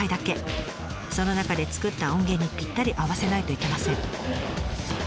その中で作った音源にぴったり合わせないといけません。